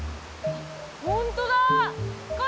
本当だ。